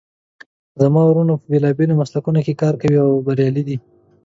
زما وروڼه په بیلابیلو مسلکونو کې کار کوي او بریالي دي